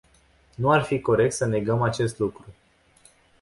Nu ar fi corect să negăm acest lucru.